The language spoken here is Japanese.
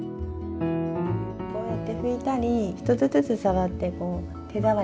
こうやって拭いたり１つずつ触ってこう手触りとかね。